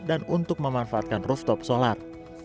dan untuk memanfaatkan rooftop solar